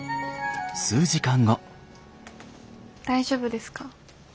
大丈夫ですか？